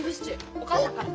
お母さんから。